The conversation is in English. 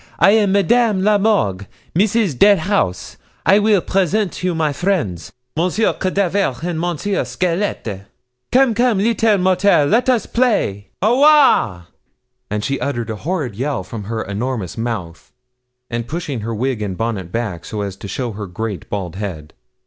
I am Madame la Morgue Mrs. Deadhouse! I will present you my friends, Monsieur Cadavre and Monsieur Squelette. Come, come, leetle mortal, let us play. Ouaah!' And she uttered a horrid yell from her enormous mouth, and pushing her wig and bonnet back, so as to show her great, bald head.